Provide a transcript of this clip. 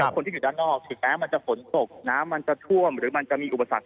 คนที่อยู่ด้านนอกถึงแม้มันจะฝนตกน้ำมันจะท่วมหรือมันจะมีอุปสรรค